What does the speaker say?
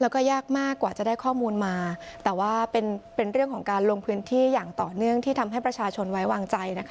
แล้วก็ยากมากกว่าจะได้ข้อมูลมาแต่ว่าเป็นเรื่องของการลงพื้นที่อย่างต่อเนื่องที่ทำให้ประชาชนไว้วางใจนะคะ